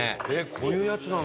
こういうやつなんだ。